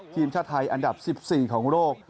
ทีมชาติไทยอันดับ๑๔ของโลก